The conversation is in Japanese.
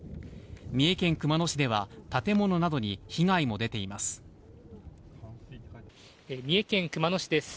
三重県熊野市では、建物などに被三重県熊野市です。